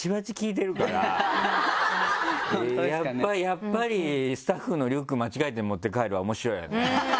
やっぱり「スタッフのリュック間違えて持って帰る」は面白いよね。